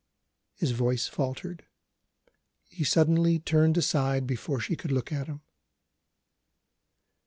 His voice faltered; he suddenly turned aside before she could look at him.